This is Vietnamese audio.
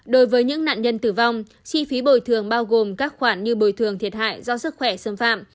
đối với những nạn nhân tử vong chi phí bồi thường bao gồm các khoản như bồi thường thiệt hại do sức khỏe xâm phạm